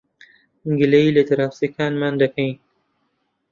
گلەیی لە دراوسێکانمان دەکەین.